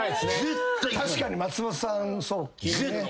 確かに松本さんそうっすね。